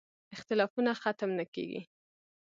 اختلافونه ختم نه کېږي.